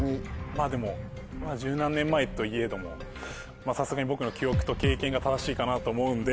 まぁでも１０何年前といえどもさすがに僕の記憶と経験が正しいかなと思うんで。